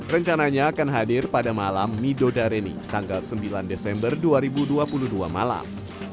rencananya akan hadir pada malam midodareni tanggal sembilan desember dua ribu dua puluh dua malam